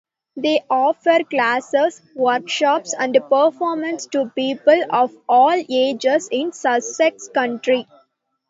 They offer classes, workshops, and performances to people of all ages in Sussex County.